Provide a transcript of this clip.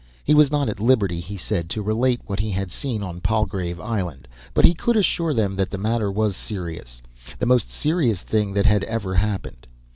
He was not at liberty, he said, to relate what he had seen on Palgrave Island; but he could assure them that the matter was serious, the most serious thing that had ever happened.